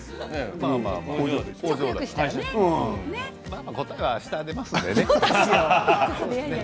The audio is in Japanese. まあまあ答えはあした出ますからね。